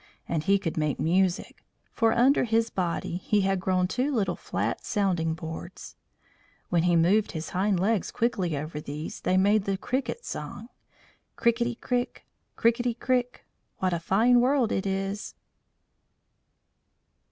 And he could make music, for under his body he had grown two little flat sounding boards. When he moved his hind legs quickly over these they made the cricket song: "Crikitty Crik! Crikitty Crik! What a fine world it is!"